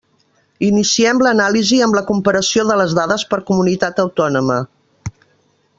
Iniciem l'anàlisi amb la comparació de les dades per comunitat autònoma.